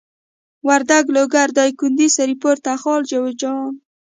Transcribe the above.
وردک لوګر دايکندي سرپل تخار جوزجان